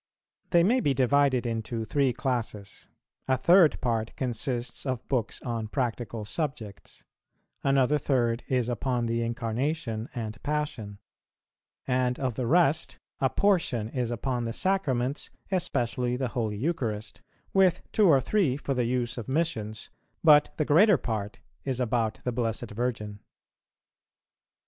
They may be divided into three classes: a third part consists of books on practical subjects; another third is upon the Incarnation and Passion; and of the rest, a portion is upon the Sacraments, especially the Holy Eucharist, with two or three for the use of Missions, but the greater part is about the Blessed Virgin.